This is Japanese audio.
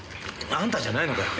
あんたじゃないのかよ。